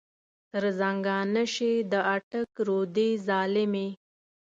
تر زنګانه شې د اټک رودې ظالمې.